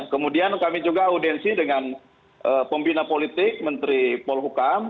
kemudian kami juga audensi dengan pembina politik menteri polhukam